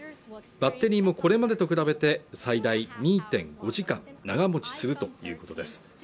バッテリーもこれまでと比べて最大２．５時間長持ちするということです